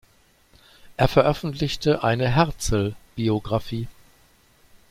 Er veröffentlichte eine Herzl-Biographie.